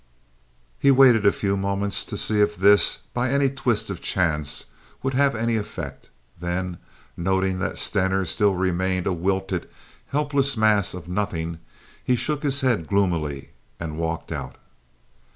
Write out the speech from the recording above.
He waited a few moments to see if this, by any twist of chance, would have any effect; then, noting that Stener still remained a wilted, helpless mass of nothing, he shook his head gloomily and walked out.